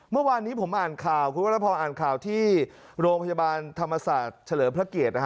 เมื่อวานนี้ผมอ่านข่าวคุณวรพรอ่านข่าวที่โรงพยาบาลธรรมศาสตร์เฉลิมพระเกียรตินะฮะ